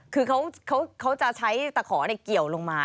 คือเขาจะใช้ตะขอเกี่ยวลงมา